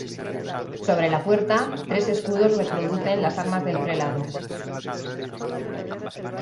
Sobre la puerta, tres escudos reproducen las armas del prelado.